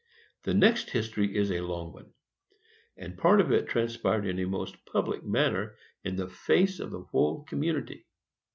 The next history is a long one, and part of it transpired in a most public manner, in the face of our whole community.